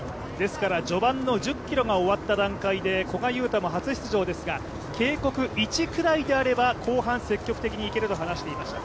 序盤の１０ｋｍが終わった段階で、古賀友太も初出場ですが警告１くらいであれば後半、積極的にいけると話していました。